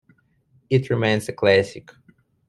It remains a classic.